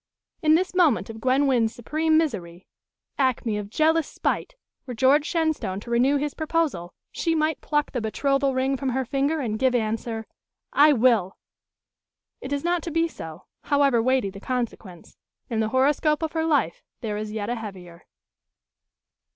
In this moment of Gwen Wynn's supreme misery acme of jealous spite were George Shenstone to renew his proposal, she might pluck the betrothal ring from her finger, and give answer, "I will!" It is not to be so, however weighty the consequence. In the horoscope of her life there is yet a heavier.